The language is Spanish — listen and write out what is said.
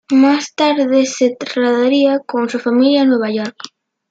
Más tarde se trasladaría con su familia a Nueva York.